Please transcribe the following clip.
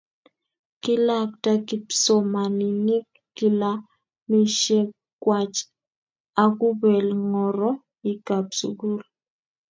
kilakta kipsomaninik kilamisiek kwach akubel ngoroikab sukul